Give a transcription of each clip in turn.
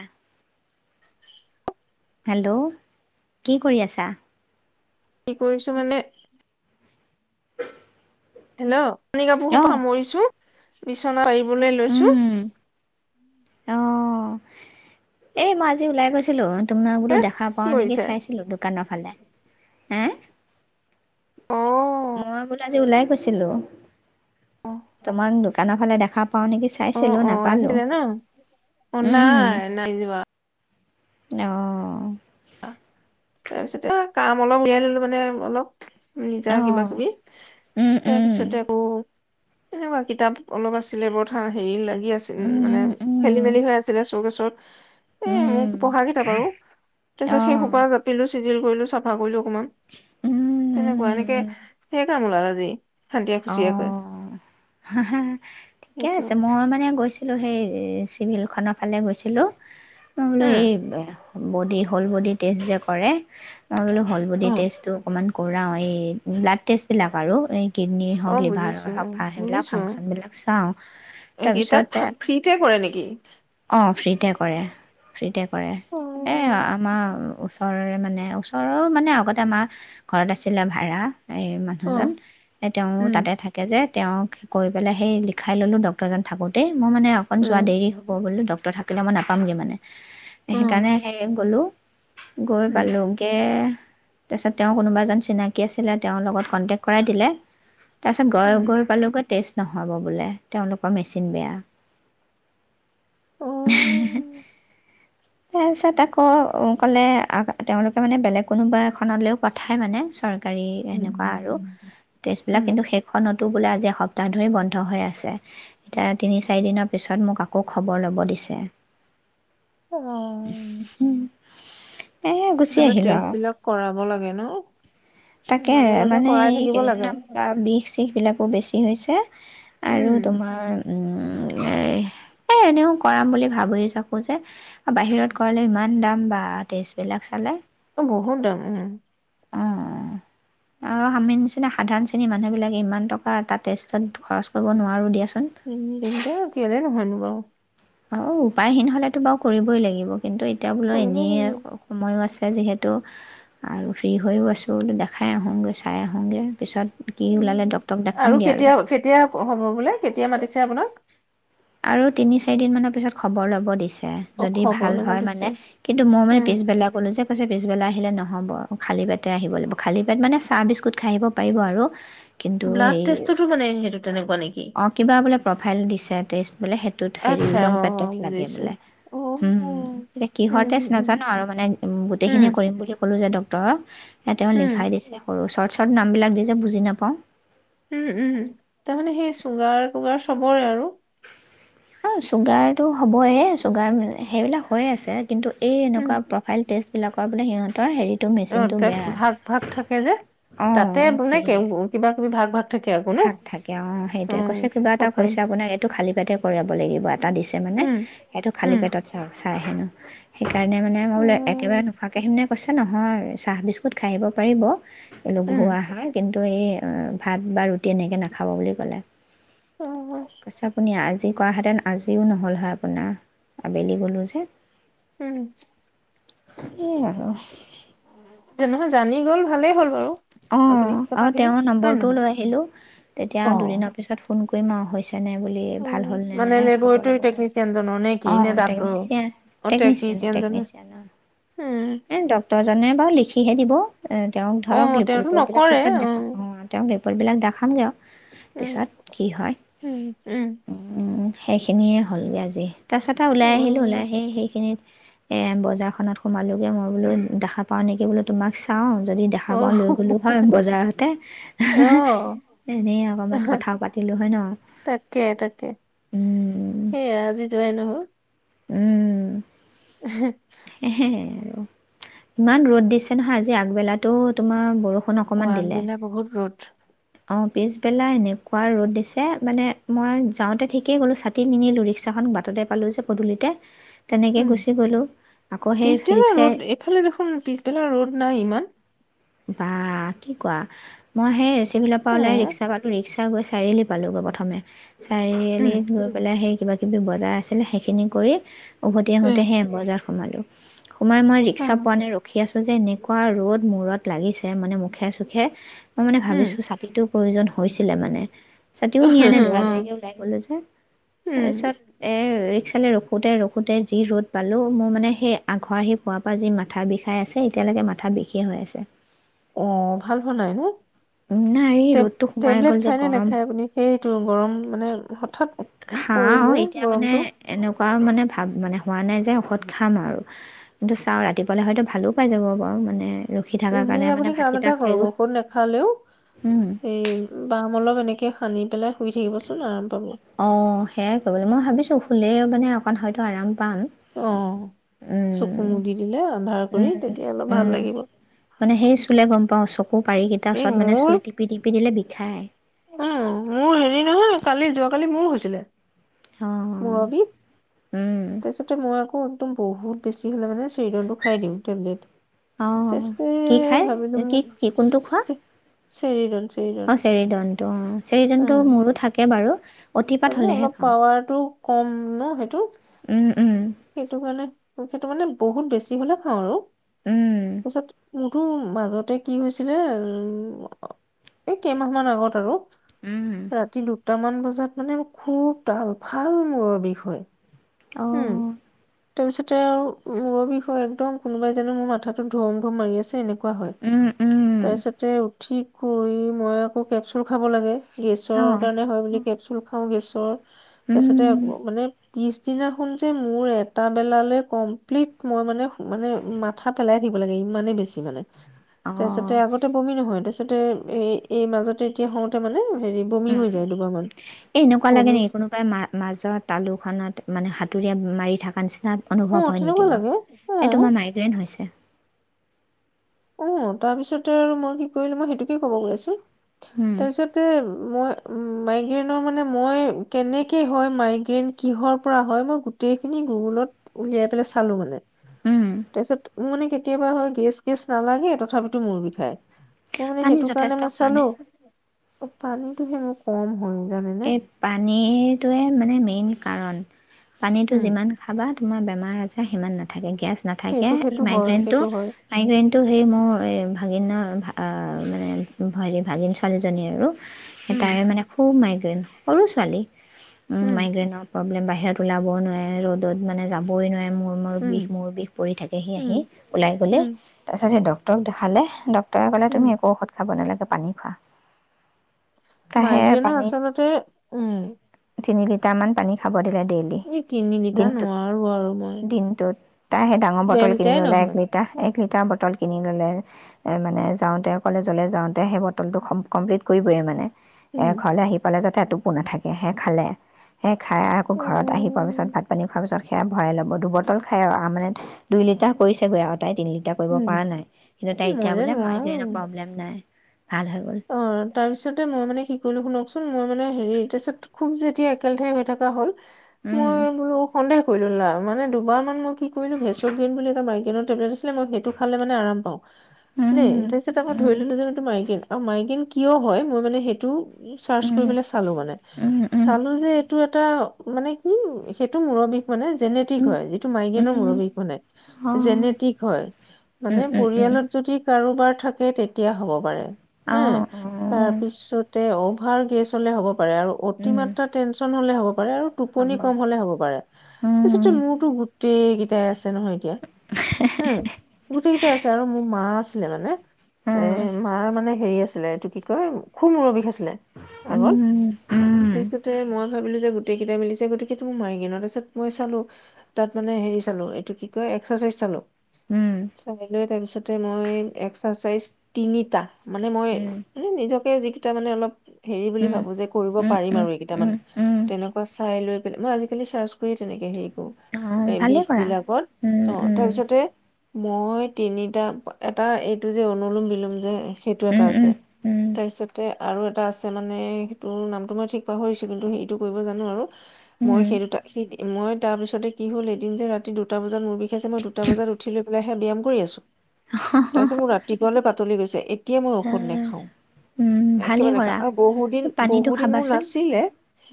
আহ। হেল্ল' কি কৰি আছা? কি কৰিছো মানে [inaudible] হেল্ল'। কানি-কাপোৰসোপা অঁ সামৰিছো। বিছনা পা বলৈ লৈছো। উম অ', এই মই আজি ওলাই গৈছিলো। তোমাক বোলো দেখা কি পাওঁ নেকি? কৰিছে চাইছিলোঁ দোকানৰ ফালে। হুম। অ'। মই বোলো আজি ওলাই গৈছিলো। তোমাক দোকানৰ ফালে দে পাও নেকি অ চাইছিলো অ নাপালো। আহিলে ন অ উম নাই নাই যোৱা অ'। তাৰপিছতে কাম অলপ উলিয়াই ললো মানে অলপ নিজা অ কিবা-কিবি উম তাৰ উম পিছতে আকৌ এবাৰ কিতাপ অলপ আছিলে বৰ হেৰি লাগে কি আছিল মানে উম উম খেলি-মেলি হৈ আছিলে চোকেছত। [inaudible] এ মোক উম পঢ়াকেইটা বাৰু তাৰ অ পিছত সেই সোপা জাপি লৈ চিজিল কৰিলো, চফা কৰিলো। অকমান তেনেকুৱা এনেকে উম স [unintelligible] কাম ওলাল আজি। খান্দিয়া খুচিয়াকৈ অ', [unintelligible] ঠিকে সেইটো আছে মই মানে গৈছো ছিলোঁ, সেই চিভিলখনৰ ফালে গৈছিলোঁ। ন বোলে উম, এই বডি, হোল বডি টেষ্ট যে কৰে। মই বোলো হোলবডি উম, টেষ্টটো অকণমান কৰা এই ব্লাড টেষ্ট বিলাক আৰু এই কিডনি হক অ', লিভাৰৰ বুজিছো হ উম, সেইবিলাক বুজিছো ফাংচন বিলাক চ এই কি তাৰপিছ তাত ফা- ফ্ৰীতে কৰে নেকি? অ ফ তে কৰে হদ কৰে। কৰে অ', এ আমাৰ ওচৰৰে মানে? মানে ওচৰৰ মানে আগতে আমাৰ ঘৰত আছিলে ভাড়া। এই মানুহজন। অ', তেওঁ উম, তাতে থাকে যে। তেওঁক কৈ পেলাই সেই লিখাই ললো ডক্টৰ জন থাকোতে। মই মানে অকণ যোৱা উম, দেৰি হ'ব বোলো। থাকিলে মই নাপামগৈ মানে। অ', সেইকাৰণে সেই গ'লো গৈ উম, পালোগে। তাৰপিছত তেওঁ কোনোবা এজন চিনাকি আছিলে তেওঁৰ লগত কন্টেক্ট কৰাই দিলে। তাৰ উম, পাছত গৈ পালোগৈ টেষ্ট। নহব বোলে তেওঁ লোকৰ মেচিন বেয়া। অ', আহেই তাৰ পিছত আকৌ ক'লে তেওঁলোকে মানে বেলেগ কোনোবা এখনলৈও পথাই মানে চৰকাৰ। কাৰি হেনেকুৱা উম, আৰু টেষ্ট উম, বিলাক কিন্তু সেইখনতে টো বোলে আজি এ সপ্তাহ ধৰি বন্ধ হৈ আছে এতিয়া তিনি চাৰি দিনৰ পিছত মোক আকৌ খবৰ ল'ব দিছে। অউহ এ গুচি আহিলো আৰু বিলাক কৰাব লাগে ন? তাকে মাজে মাজে মানে কৰাই এই থাকিব লাগে কেইদিনমান বা বিষ চিষ বিলাকো বেছি। কি হৈছে। আৰু উম, তোমাৰ। এই এনেও কৰাম বুলি ভাবিয়েই থাকোঁ যে। বাহিৰত গলে ইমান দাম বা টেষ্টবিলাক চালে। অ বহুত দাম উম। অঁ অ আৰু আমি নিচিনা সাধাৰণ শ্ৰেণীৰ মানুহবিলাকে ইমান টকা এটা টেষ্টত খৰচ কৰিব নোৱাৰোঁ দিয়াচোন। উম দিগদাৰ কেলে নু নহয়নে বাউ। অহ। অ উপায়হীন হলেতো বাৰু কৰিবই লাগিব। কিন্তু এতিয়া বোলো কৰিব এনেই লাগিব সময়ো আছে। যিহেতু আৰু ফ্ৰী হৈও আছোঁ দেখাই আহোঁগৈ চাই আহোঁগৈ পিছত। কি ওলালে উ ডক্তৰক আৰু দেখামগৈ কেতিয়া কেতিয়া হ'ব বোলে কেতিয়া মাতিছিল আপোনাক আৰু তিনি চাৰি দিন মানৰ পিছত খবৰ ল'ব দিছে অ', যদি খবৰ ভাল ল'ব হয় দিছে মানে কিন্তু মই মানে উম। পিছবেলাই কলো যে কৈছে পিছবেলা আহিলে নহ'ব খালী পেটে আহিব লাগিব খালী পেট মানে চাহ বিস্কুট খাই আহিব পাৰিব আৰু কিন্তু ব্লাড হেই টেষ্টতো মানে সেইটো তেনেকুৱা নেকি? অ কিবা বোলে প্ৰফাইল দিছে বোলে হেইটোত হেৰি আচ্ছা উদং অ পেকেট লাগে বুজিছো বোলে। অ উম। এতিয়া উম কিহৰ উম টেষ্ট নাজাৱ অ উম এ তেওঁ উম লিখাই দিছে সৰু চৰত চব নামবিলাক দি যে বুজি নাপাওঁ উম উম তাৰমানে সেই চুগাৰ কুগাৰ চবৰে আৰু অ চুগাৰতটো হ'বই চুগাৰ সেইবিলাক হৈয়ে আছে কিন্তু এই উম এনেকুৱা প্ৰফাইল টেষ্টবিলাক বোলে সিহঁতৰ হেৰি অ তাত ভাত ভাত থাকে যে তাতে অ', বোলে কেও সেয়ে কিবা তুমি ভাগ ভাগ থাকে আকৌ ন ভাগ থাকে অ সেইটোয়ে উম কৈছে কিবা এটা প্ৰফাইল কৈছে আপোনাৰ এইটো খালি তাতে কৰিব লাগিব এটা দিছে মানে উম সেইটো খালী উম পেটত চাওঁ চাই হেনো সেইটো সেইকাৰণে মানে মই বোলো একেবাৰে উম নোখোৱাকে আহিম নে? অৱশ্যে নহয় চাহ বিস্কুট খাই আহিব পাৰিব। লঘু উম আহাৰ কিন্তু ত এই ভাত বা ৰুট তেনেকে নাখাব বুলি ক'লে। অ কৈছে আপুনি আজ কৰা হেতেন আজিও নহ'ল হয় আপোনাৰ আবেলি গ'লো যে। উম এইয়া আৰু। নহয় জানি গ'ল ভালেই হ'ল বাৰু। অ', আপুনি আৰু কথাখিনি তেওঁৰ হয় নম্বৰটোও নহয় লৈ আহিলো তেতিয়া অ দুদিনৰ পিছত ফোন কৰিম হৈছে নে বুলি ভাল উম হ'ল নে মানে নাই খবৰ লেবৰেটৰী ল'বলৈ টেকনিচিয়ানজনৰ নে কি নে অ', ডাক্তৰৰ টেকনিচিয়ান অ টেকনিচিয়ান টেকনিচিয়ানজনে টেকনিচিয়ান অ', উম এই ডক্তৰজনে বাৰু লিখি সিহে দিব। এ তেওঁক অ ধৰক লিপ তেওঁতো ৰিপৰ্ট বিলাক নকৰে পিছত দেখাম অ', তেওঁ [unintelligible] দেখাম গে আৰু উম পিছত কি হয় উম উম উম। সেইখিনিয়ে হ'লগে আজি। তাৰ পিছত আৰু ওলাই আহিলোঁ ওলাই আহি সেইখিনিত এই বজাৰখনত সোমালোগৈ মই বোলো দেখা পাওঁ নেকি বোলো তোমাক চাওঁ যদি অ দেখা পাওঁ লৈ গলো হয় বজাৰ হতে অ এনে অকনমান কথাও পাতিলো হয় ন? তাকে তাকে উম। সেইয়া আজি যোৱাই নহল উম। [unintelligible] ইমান ৰ'দ দিছে নহয় আজি আগবেলাতো তোমাৰ বৰষুণ অ‌', অকণমান দিলে আগবেলা বহুত ৰ'দ। অ পিছবেলা এনেকুৱা ৰ'দ দিছে মানে মই যাওঁতে ঠিকেই গ'লোঁ ছাতি নিনিলোঁ ৰিক্সাখন বাটতে পালোঁ যে পদূলিতে। তেনেকে উম গুচি গ'লো। পিছবেলা ৰ'দ এইফালে দেখোন পিছবেলা ৰ'দ নাই ইমান। বা কি কোৱা মই সেই চিভিলৰ অ পৰা উলাই ৰিক্সাৰ ভাড়া‌টো ৰিক্স [unintelligible] গৈ চাৰিআলি পালোগৈ প্ৰথমে। উম চাৰিআলিত গৈ পেলাই সেই কিবা বজাৰ আছিলে সেইখিনি কৰি উভতি উম আহোঁতেহে বজাৰ সোমালোঁ সোমাই মই ৰিক্সা উম পোৱােনাই‌ ৰখী আছো যে এনেকুৱা ৰ'দ মূৰত লাগিছে মানে মুখে চুখে মই মানে উম ভাবিছো চাকিটোক প্ৰয়োজন হৈছিলে মানে ছাতিও নিয়া নাই দৌৰা দৌৰিকে ওলাই গলো যে উম তাৰপিছত এ এক চালে ৰখোতে ৰখোতে যি ৰ'দ পালো মোৰ মানে সেই ঘৰ সি পুৱা পৰা যি মাথা বিষাই আছে এতিয়ালৈকে মাথা বিষে হৈ আছে অ ভাল হোৱা নাই ন নাই এই ৰ'দটো সোমাই টেবলেট গ'ল যে খাই নে গৰম নাখায় আপুনি সেই তটো গৰম মানে হঠাৎ পৰি যায় গৰমটো পাও মানে ভাল মানে হোৱা নাই, যে ঔষধ খাম আৰু কিন্তু চাওঁ ৰাতিপুৱালেই হয়তো ভালো পাই যাব বাৰু মানে ৰখি থকাৰ এনেই কাৰণে মানে আপুনি কাম ভাতকেইটা এটা কৰক খায়ো ঔষধ নেখালেও, এই বাম অলপ এনেকে সে সানি পেলাই, শুই থাকিবচোন আৰাম পাব। অ' সেইয়াই কৰিম মই ভাবিছো। শুলে মানে অকণ হয়তো আৰাম পাম, অ', চকু মুদি দিলে আন্ধাৰ কৰি তেতিয়া অলপ উ-উ-উ ভাল লাগিব। মানে সেই চুলে গম পাওঁ, চব আকৌ পাৰি কেইটাৰ এই ওচৰত মানে মোৰ চুই টিপি-টিপি দিলে বিষায়। উম, মোৰ হেৰি নহয় কালি যোৱাকালি মোৰো হৈছিলে। অঁ মুৰবিষ তাৰপিছতে মই আকৌ একদম, বহুত বেছি হ'লে, মানে চুইডেন টো খাই দিও, টেবলেট অঁ তাৰপিছটো কি খায় ভাবিলো কি মই, কি কোনটো খোৱা। চেৰিদল, অ' চেৰিদন টো অ', চেৰিদনটো মোৰো থাকে বাৰু। অতিপাত তাৰমানে হ'লেহে অলপ খাওঁ পাৱাৰটো কম ন সেইটো। উম উম সেইটো কাৰণে সেইটো কাৰণে বহুত বেছি। বেছি হলে খাওঁ আৰু। উম তাৰপিছত, উ' তোৰ মাজতে কি হৈছিলে? এই কেইমাহমান আগত আৰু। উম ৰাতি লুটি এটামান বজাত মানে খুব দাল ভাল মূৰৰ বিষ হয়। উম, অহ, তাৰপিছতে আৰু মোৰৰ বিষ হৈ একদম কোনোবাই জানো মোৰ মাথাতো ধুম-ধুম মাৰি আছে। এনেকুৱা কোৱা হয়, উম উম তাৰপিছতে ঠিক কৰি মই আকৌ কেপচুল খাব লাগে। অ গেছৰ কাৰণে হয় বুলি কেপচুল খাওঁ গেছ। তহ', তাৰপিছতে উম আকৌ মানে, [unintelligible] পিছদিনাখন যে মোৰ এটা বেলালৈ কমপ্লিট মই মানে-মানে মাথা পেলাই থাকিব লাগে ইমানেই বেছি মানে। অ তাৰপিছতে আগতে বমি নহয়। তাৰ তাৰিছতে এই এই মাজতে এতিয়া হওঁতে মানে হেৰি বমি উম হৈ যায় দুবাৰমান এ এনেকুৱা লাগে বমি নেকি কোনোবাই ম মাজত তালুখনত মানে সাঁতুৰি মাৰি থকা নিচিনা ত অ অনুভৱ হয় নেকি তেনেকুৱা বাৰ লাগে অ এই তোমাৰ মাইগ্ৰেইন হৈছে অ তাৰপিছতে আৰু মই কি কৰিলো ম সেইটোকে কবছো উম তাৰপিছ মই মেইনৰ মানে মই কেনেকে হয় মেইন কিহৰ পৰা হয় মই গোিন গুগল উলিয়াই পেল চো উম মানোৰ মানে কেতিাবা হয়ে নালাগে তথাপিতো মূোৰ বিষায় ম মানে পানী সেইটো কাৰণে যথেষ্ট মই চালো খোৱানে পানীতো সে মোৰ কম হয় জানেনে এই পানীটোয়ে মানে মেইন কাৰণ পানীতটো উম যিমান খাবা তোমাৰ বেমাৰ আজাৰ সিমান নাথাকে পিঁাজ নাথাকে সেইটো এই সেইটো হয় মাইগ্ৰেইনটো সেইটো হয় মাইগ্ৰেইনটো সেই মোৰ ভাগিন্য মানে ভৰি ভাগিন ছোৱালিজনী আৰু এ উম, তাই মানে খুব মাই সৰু ছোৱালী উম মাইগ্ৰেইনৰ প্ৰব্লেম বাহ বত ওলাবও নোৱাৰে ৰ'দত মানে যাবই নোৱাৰে মোৰ মূৰ উম, বিষ মূৰ বিষ পৰি থাকে সি আহি উম, ওলাই গ'লে উম, তাৰপাছতহে দক ড্টক দেখালে ড তই ক'লে উম, তুমি একো ঔষধ খাব নালাগে পানী খোৱা তাহে মাইকনো পানী আচলতে উম তিনি লিটাৰ মান পানী খাব দিলে এই তিনিলিটা নোৱাৰো আৰু মই ব তটা ডেৰ লিটাই নহয়। বটল কিনি ল'লে মানে যাওঁতে কলেজলৈ যাওঁতে সেই বটলটো কমপ্লিট কৰিবই মানে এ উম, ঘৰলে আহি ে যাতে এটো পো নাথাকে সে খালে খাই আকৌ ঘৰত আহি পোৱাৰ পিছত উম, ভাত পানী খোৱাৰ পিছত খে ভৰাই ল'ব দুবটল খাই আৰু মানে দুই লিটাৰ কৰিছেগৈ আৰু তাই তিনি লিটাৰ কৰিব উম, পৰা নাই কিন্তু তাই এতিয়া মই যে বোলে নোৱাৰো প্ৰলেম নাই ভাল হৈ গ'ল অ উম তাৰ পিছতে মই মানে সেইটো োন মই মানে হেৰি তাৰপিছত খুব যেতিয়া একেলহে হৈ থকা হ'ল উম মই বোলো সন্দেহ কৰি ললা আৰু মানে দুবাৰ মান মই কি কৰিলোঁ ভেচু গিণ বুলি এটা মাৰি ক টেবলেট আছিলে মই সেইটো খালে মেনে আৰাম পাওঁ দেই উম তাৰপিছত আকৌ ধৰি উম ললো যে মাৰি কি কিয় হয় মই মানে সেইটো চাৰ্চ উম কৰিবলে চালো মানে উম উম উম উম চালো যে এইটো এটা মানে কি সেইটো মুৰৰ বিষ মানে জেনেটিক হয় যিটো মাইগ্ৰেনৰ মুৰব্বীক মানে উম জেনেটিক হয় মানে উম উম উম পৰিয়ালত যদি কাৰোবাৰ থাকে তেতিয়া হ'ব পাৰে অ', হা অ', তাৰপিছতে অ ৰ গেছ হ'লে হ'ব আৰু উম, অতিমাত্ৰা টেনচন হ'লে হ'ব আৰু টোপনি হ'ব কম হলে হ'ব পাৰে পিছতটো উম, মুৰটো গোটেই এটাই আছে নহয় এতিয়া হু গোটেই কেইটাই আছে আৰু মোৰ মা আছিলে মানে এ উম, মাৰ মানে হেৰি আছিলে এইটো কি কয় খুব মূৰৰ বিষ আছিলে উম, আগত উম, তাৰপিছতে মই ভাবিলো যে গোটেই কেইটাই মিলিছে গতিকো মাৰিগিনৰ ত পিছত মই চালো তাত মানে হেৰি চালো এইটো কি কয় এক্সাৰচাইজ চালো উম, উম, চাই লৈ তাৰ পিছত তাতে মই এক্সাৰচাইজ তিনিটা মানে মই উম, মানে নিজকে যিকেইটা মানে অলপ হেৰি বুলি ভাবো যে কৰিব উম, পাৰিম উম, আৰু এইকেইটা মানে উম, উম, তেনেকুৱা চাই লৈ পেলাই মই আজিকালি চাৰ্চ কৰিয় তেনেকে হেৰি কৰো এ অ', ভালেই বিষ কৰা। বিলাকত উম, অ উম, তাৰপিছতে মই তিনিটা এটা এইটো যে অনু বি যে সেইটো এটা উম, আছে উম, উম, তাৰপিছতে আৰু এটা আছে মানে সেইটো নামটো মই ঠিক পাহৰিছো কিন্তু সেইটো কৰিব জানো আৰু মই সেই দুটা মই তাৰপিছতে কি হল এদিন যে ৰাতি দুটা বজাত মোৰ বিষাইছে মই দুটা বজাত উঠি লৈ পেলাই হে ব্যায়াম কৰি আছো তাৰপিছত মোৰ ৰাতিপুৱালৈ পাতলি গৈছে এতিয়া মই ঔষধ উম, নেখাওঁ উম, ভালেই একেবাৰে নেখাওঁ কৰা আৰু বহু দিন বহু পানীটো দিন মোৰ খাবাচোন নাছিলে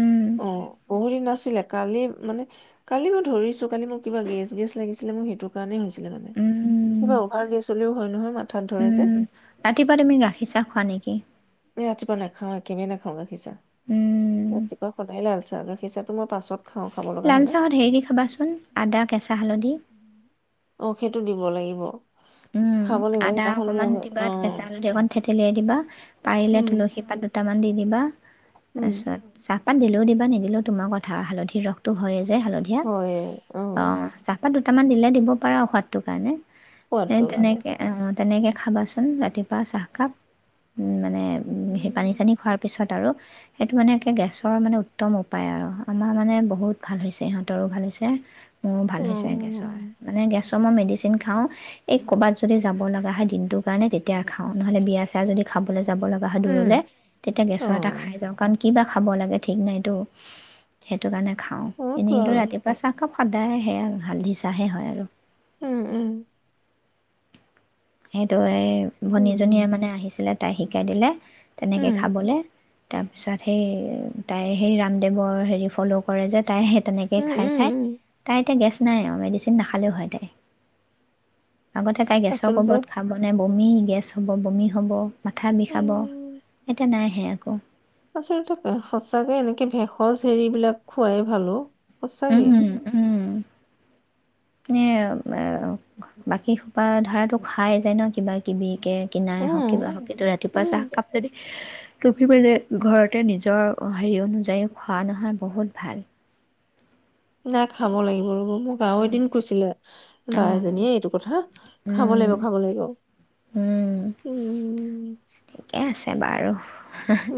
উম, অ বহু দিন নাছিলে কালি মানে কালি মই ধৰিছো কালি মোক কিবা গেছ গেছ লাগিছিলে মোৰ সেইটো কাৰণে হৈছে নে উম, কিবা আৰু গেছ হ'লেও হয় নহয় মাথাত ধৰে যে উম, ৰাতিপুৱা তুমি গাখীৰ চাহ খোৱা নেকি? ৰাতিপুৱা নেখাওঁ একেবাৰেই নেখাওঁ গাখীৰ চাহ। উম, ৰাতিপুৱা সদায় লাল চাহ। গাখীৰ চাহটো মই পাছত খাওঁ খাব লগা লাল হলে চাহত হেৰি দি খাবাচোন আদা কেঁচা হালধি অ সেইটো দিব লাগিব উম খাব লাগিব আদা সেইদিনাখন অকমান মোৰ দিবা অ কেচা হালধি অকন থেথেলিয়াই দিবা পাৰিলে উম তুলসী পাত তামান দি দিবা উম তাৰপিছত চাহ তাত দিলেও দিবা নিদিলেও তোমাৰ কথা হালধিৰ ৰসটো হয়েই হালধীয়া অ চাহপাত কেইটামান দিলে দিব পাৰা ঔষধটোৰ কাৰণে এ সোৱাদটোৰ কাৰণে তেনেকে অ তেনেকৈ খাবাচোন ৰাতিপুৱা চাহকাপ মানে সেই পানী চানী উম খোৱাৰ পিছত আৰু সেইটো মানে একে গেছৰ মানে উত্তম উপায় আৰু আমাৰ মানে বহুত ভাল হৈছে ইহঁতৰো ভাল হৈছে মোৰ ভাল হৈছে গেছৰ অ মানে গেছ মই মেডিচিন খাওঁ এই ক'ৰবাত যদি যাব লগা হয় দিনটোৰ কাৰণে তেতিয়া খাওঁ। নহ'লে বিয়া চিয়া যদি খাবলৈ যাব লগা হলে দুৰলে তেতিয়া গেছৰ এটা খাই যাও। কাৰণ কিবা খাব লাগে ঠিক নাইটো সেইটো কাৰণে খাওঁ এনেদৰে ৰাতিপুৱা চাহকাপ সদায় সেয়া হালধি চাহে হয় আৰু উম উম সেইটোয়ে ভনী এজনীয়ে মানে আহিছিলে তাই শিকাই দিলে তেনেকে খাবলে তাৰপিছত সেই তাই সেই ৰামদেৱৰ হেৰি ফ'ল' কৰে যে তাইহে তেনেকে খাই খাই তাই এতিয়া গেছ নাই আৰু মেডিচিন নাখালেও হয়। তাইৰ আগতে তাই গেছৰ কবত মানে বমি-গেছ হ'ব, বমি হ'ব মাথা বিষাব। উম, এতিয়া নাই হে আকৌ আচলতে অ, সঁচাকে এনেকে ভেষজ হেৰিবিলাক খোৱাই ভাল অ। সঁচাকে এয়া, বাকী সুপাধৰা খাই যায় ন' কিব কিবি কিনাই হওক কিবা উম হওক। কিন্তু ৰাতিপুৱা উম চাহকাপেদি অহ [unintelligible] ঘৰতে নিজৰ হেৰি অনুযায়ী খোৱা নহয়, বহুত ভাল। নাই খাব লাগিব ৰ'ব। মোক আৰু এদিন কৈছিলে। বা অ', এজনীয়ে এইটো কথা। খাব উম, লাগিব-খাব লাগিব। উম, উমম। ছে বাৰু।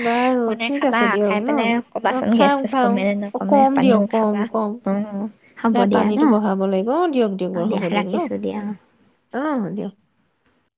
বাৰু বনাই ঠিক খাবা আছে দিয়ক খাই ন। পেলাই অ', ক'বাচোন গেছ চেছ খাম-খাম কমে নে অ', নকমে কম দিয়ক পানীও খাবা। কম-কম, অ', হ'ব নাই দিয়া ন' পানীতটো বহাব লাগিব। অ', দিয়ক-দিয়ক অ', বাৰু হ'ব দিয়া দিয়ক ন। ৰাখিছোঁ দিয়া অ'। অ দিয় [unintelligible]